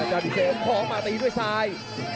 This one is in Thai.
เจ้าดีเซลของมาตีด้วยซ้าย